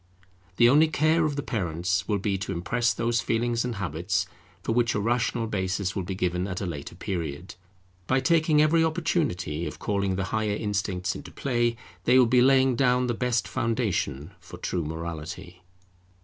The only care of the parents will be to impress those feelings and habits for which a rational basis will be given at a later period. By taking every opportunity of calling the higher instincts into play, they will be laying down the best foundation for true morality.